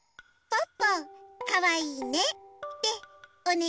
ポッポかわいいね。